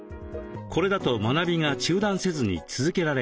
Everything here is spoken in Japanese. これだと学びが中断せずに続けられるそう。